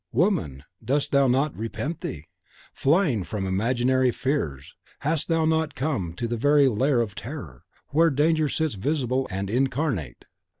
Woman, dost thou not repent thee? Flying from imaginary fears, hast thou not come to the very lair of terror, where Danger sits visible and incarnate?